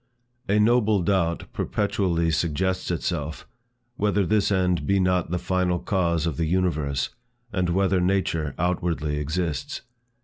A noble doubt perpetually suggests itself, whether this end be not the Final Cause of the Universe; and whether nature outwardly exists.